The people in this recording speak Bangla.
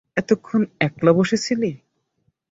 এতক্ষণ একলা বসে ছিলি?